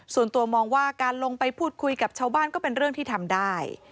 ส่วนตัวมองว่าการลงไปพูดคุยกับชาวบ้านก็เป็นเรื่องที่ทำได้